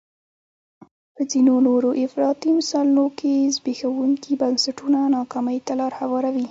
په ځینو نورو افراطي مثالونو کې زبېښونکي بنسټونه ناکامۍ ته لار هواروي.